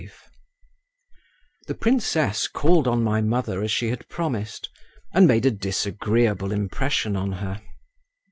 V The princess called on my mother as she had promised and made a disagreeable impression on her.